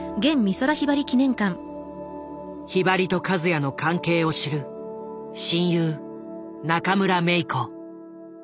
ひばりと和也の関係を知る親友中村メイコ。